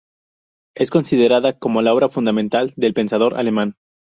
Es considerada como la obra fundamental del pensador alemán.